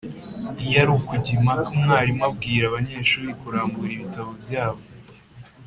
Iyo ari ukujya impaka, umwarimu abwira abanyeshuri kurambura ibitabo byabo